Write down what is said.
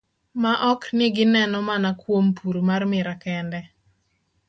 Maok ni gigeno mana kuom pur mar miraa kende.